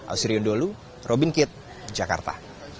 ausriyondolu robin kit jakarta